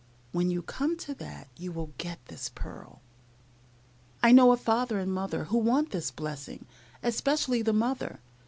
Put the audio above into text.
When you come to that you will get this pearl. I know a father and mother who want this blessing, especially the mother.